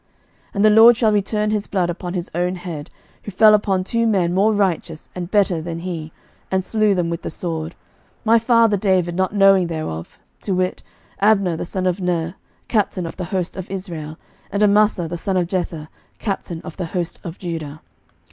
11:002:032 And the LORD shall return his blood upon his own head, who fell upon two men more righteous and better than he, and slew them with the sword, my father David not knowing thereof, to wit, Abner the son of Ner, captain of the host of Israel, and Amasa the son of Jether, captain of the host of Judah.